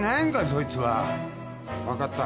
そいつは！？分かった。